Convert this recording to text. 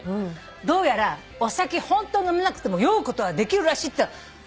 どうやらお酒飲めなくても酔うことはできるらしいってのは聞いてて。